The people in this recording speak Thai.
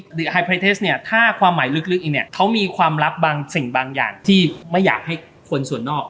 ไฮไลเทสเนี่ยถ้าความหมายลึกอีกเนี่ยเขามีความลับบางสิ่งบางอย่างที่ไม่อยากให้คนส่วนนอก